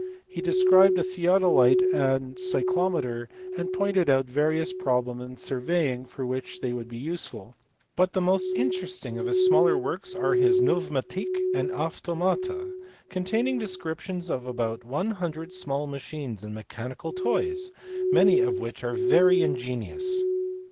He described a theodolite and cyclometer, and pointed out various problems in surveying for which they would be useful. But the most interesting of his smaller works are his nvcv/xart/ca and AvTo/jLOLTa, containing descriptions of about 100 small machines and mechanical toys, many of which are very in genious.